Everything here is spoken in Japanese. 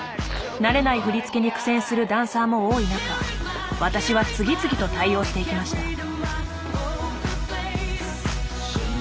慣れない振り付けに苦戦するダンサーも多い中私は次々と対応していきました。